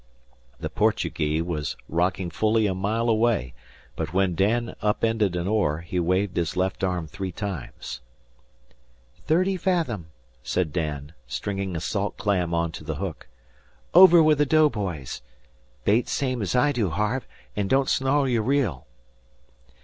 The "Portugee" was rocking fully a mile away, but when Dan up ended an oar he waved his left arm three times. "Thirty fathom," said Dan, stringing a salt clam on to the hook. "Over with the doughboys. Bait same's I do, Harvey, an' don't snarl your reel."